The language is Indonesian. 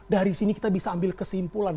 dari sini kita bisa ambil kesimpulan